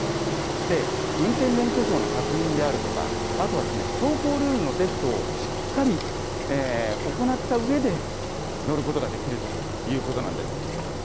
運転免許証の確認であるとか、あとは走行ルールのテストをしっかり行ったうえで、乗ることができるということなんです。